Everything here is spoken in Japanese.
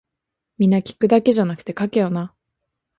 皆聞くだけじゃなくて書けよな